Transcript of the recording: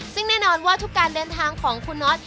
ซึ่งแน่นอนว่าทุกการเดินทางของคุณน็อต